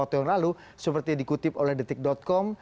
waktu yang lalu seperti dikutip oleh detik com